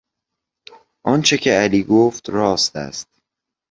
آنچه که علی گفت راست است.